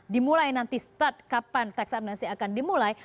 dimulai nanti start kapan tax amnesty akan dimulai